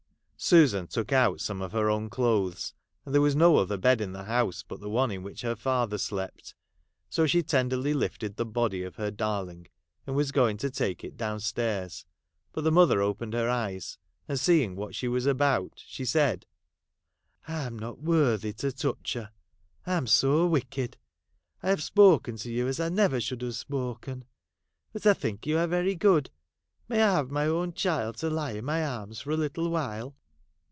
Susan took out some of her own clothes, and softly undressed the stiff, powerless, form. There was no other bed in the house but the one in which her father slept. So she tenderly lifted the body of her darling ; and was going to take it down stairs, but the mother opened her eyes, and seeing what she was about, she said, ' I am not worthy to touch her, I am so wicked ; I have spoken to you as I never should have spoken ; but I think you are very good ; may I have my own child to lie in my arms for a little while